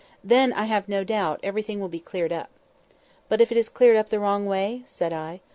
"Then, I have no doubt, everything will be cleared up." "But if it is cleared up the wrong way?" said I.